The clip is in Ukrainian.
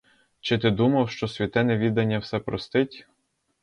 Чи ти думав, що святе невідання все простить?